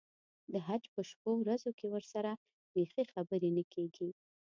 د حج په شپو ورځو کې ورسره بیخي خبرې نه کېږي.